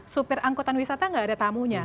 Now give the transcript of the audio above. supir angkutan wisata nggak ada tamunya